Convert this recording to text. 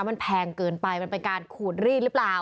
มันแพงเกินไปมันเป็นการขูดรีดหรือเปล่า